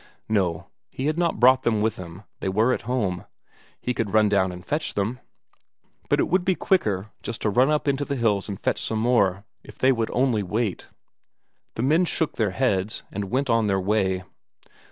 No, he had not brought them with him, they were at home he could run down and fetch them. But it would be quicker just to run up into the hills and fetch some more, if they would only wait. The men shook their heads and went on their way.